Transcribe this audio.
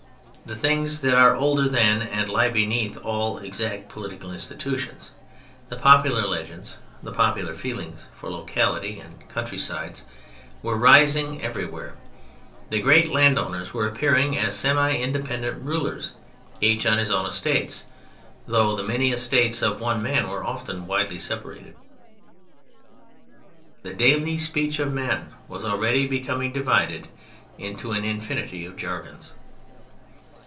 The things that are older than, and lie beneath, all exact political institutions, the popular legends, the popular feelings for locality and countrysides, were rising everywhere; the great landowners were appearing as semi independent rulers, each on his own estates (though the many estates of one man were often widely separated). The daily speech of men was already becoming divided into an infinity of jargons.